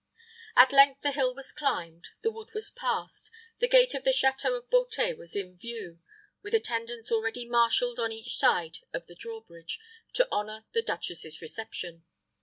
At length the hill was climbed, the wood was passed, the gate of the château of Beauté was in view, with attendants already marshaled on each side of the draw bridge, to honor the duchess's reception.